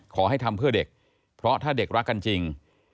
ขอให้ทำเพื่อเด็กเพราะถ้าเด็กรักกันจริง